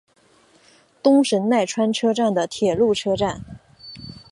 东神奈川车站的铁路车站。